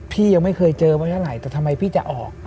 พี่ยังไม่เคยเจอเมื่อไหร่แต่ทำไมพี่จะออก